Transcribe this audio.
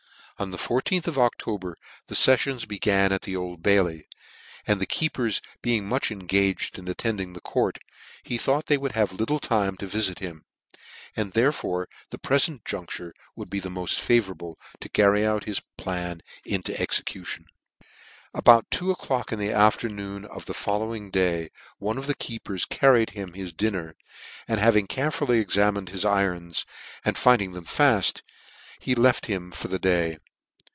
On the J4th of Ocftober the feffions began at the Old Bailey, and the keepers being much engaged in attending the court, he thought they would have littie time to vifit him , and therefore the prefent juncture would be the mofl favourable to carry hh plan into execution. About two o'clock iA the afternoon cf the fol lowing day one of the keepers carried him his din ner, and having carefully examined his irons, and finding them faft, he left him for the day.